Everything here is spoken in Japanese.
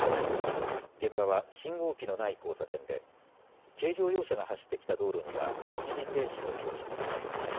現場は信号機のない交差点で、軽乗用車が走ってきた道路には、一時停止の標識があります。